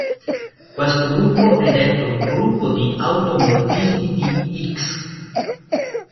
Questo gruppo è detto gruppo di automorfismi di "X".